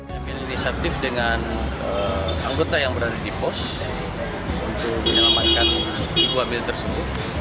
mengambil inisiatif dengan anggota yang berada di pos untuk menyelamatkan ibu hamil tersebut